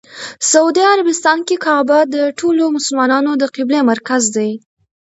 سعودي عربستان کې کعبه د ټولو مسلمانانو د قبله مرکز دی.